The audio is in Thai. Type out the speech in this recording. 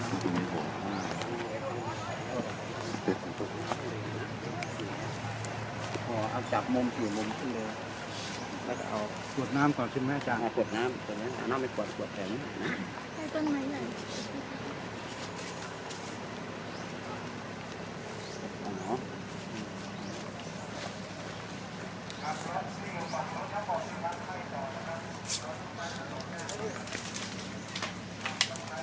กวดเร็วนิดนึงอ๋อเอาจากมุมกี่มุมขึ้นเลยแล้วก็เอากวดน้ำก่อนชิมให้จำเอากวดน้ำเอาน้ำไปกวดกวดแขกนิดนึงให้ต้นไม้หน่อย